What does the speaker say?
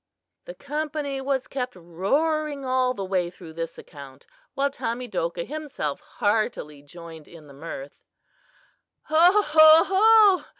"The company was kept roaring all the way through this account, while Tamedokah himself heartily joined in the mirth. "Ho, ho, ho!"